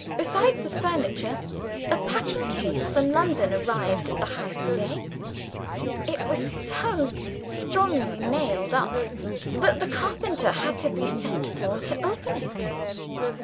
Besides the furniture, a packing case from London arrived at the house to day. It was so strongly nailed up that the carpenter had to be sent for to open it.